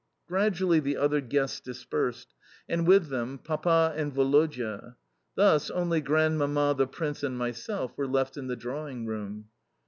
Gradually the other guests dispersed, and with them Papa and Woloda. Thus only Grandmamma, the Prince, and myself were left in the drawing room.